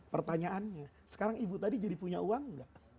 pertanyaannya sekarang ibu tadi jadi punya uang nggak